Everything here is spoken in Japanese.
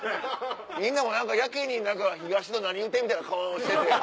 みんなもやけに「東野何言うてん？」みたいな顔してて。